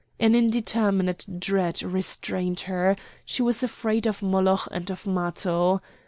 An indeterminate dread restrained her; she was afraid of Moloch and of Matho.